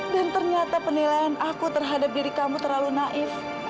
dan ternyata penilaian aku terhadap diri kamu terlalu naif